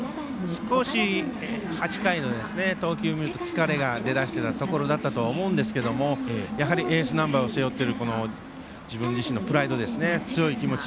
少し８回の投球を見ると疲れが出だしていたところだったと思うんですけれどもエースナンバーを背負っている自分自身のプライド、強い気持ち。